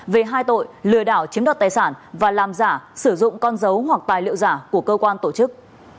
về hai tội lừa đảo chiếm đoạt tài sản và làm giả sử dụng con dấu hoặc tài liệu giả của cơ quan tổ chức